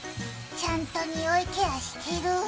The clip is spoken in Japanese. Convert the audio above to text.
ちゃんとにおいケアしてる？